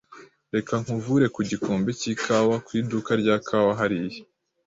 Reka nkuvure ku gikombe cy'ikawa ku iduka rya kawa hariya.